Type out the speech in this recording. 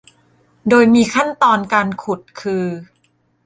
โดยมีขั้นตอนการขุดคือ